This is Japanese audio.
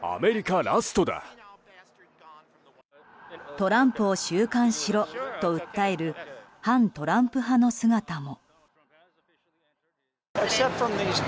トランプを収監しろと訴える反トランプ派の姿も。